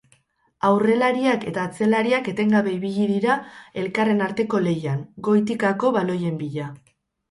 Aurrelariak eta atzelariak etengabe ibili dira elkarren arteko lehian, goitikako baloien bila.